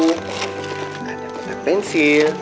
ada kota pensil